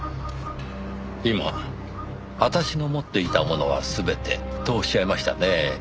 今「私の持っていたものは全て」とおっしゃいましたねぇ。